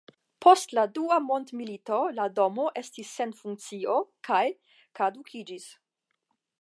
Post la Dua mondmilito la domo estis sen funkcio kaj kadukiĝis.